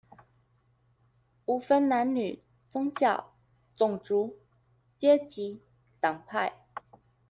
無分男女、宗教、種族、階級、黨派